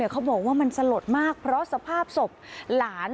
เขาบอกว่ามันสลดมากเพราะสภาพศพหลาน